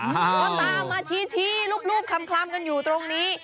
ก็ตามมาชี้รูปคลำกันอยู่ตรงนี้